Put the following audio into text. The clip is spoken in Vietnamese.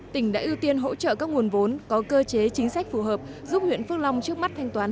tỉnh đã ưu tiên hỗ trợ các nguồn vốn có cơ chế chính sách phù hợp giúp huyện phước long trước mắt thanh toán